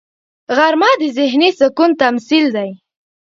غرمه د ذهني سکون تمثیل دی